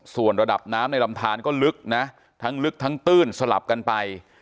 ส่วนระดับน้ำในลำทานก็ลึกนะทั้งลึกทั้งตื้นสลับกันไป